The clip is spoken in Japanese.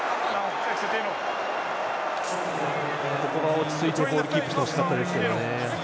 落ち着いてボールキープしてほしかったですね。